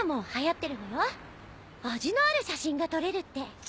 味のある写真が撮れるって。